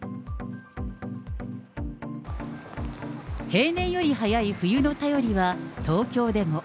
平年より早い冬の便りは、東京でも。